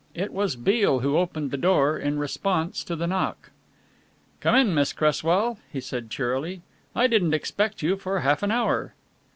It was Beale who opened the door in response to the knock. "Come in, Miss Cresswell," he said cheerily, "I didn't expect you for half an hour."